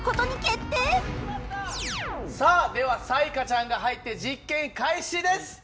さあでは彩加ちゃんが入って実験開始です。